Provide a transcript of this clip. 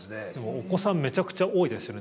お子さんめちゃくちゃ多いですよね。